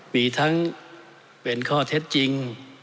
มีทั้งเป็นข้อเท็จจริง